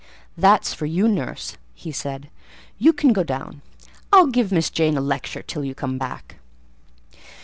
"That's for you, nurse," said he; "you can go down; I'll give Miss Jane a lecture till you come back."